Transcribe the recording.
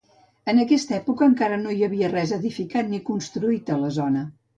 En aquesta època encara no hi havia res edificat ni construït a la zona.